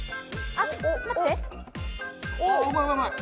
あうまいうまい。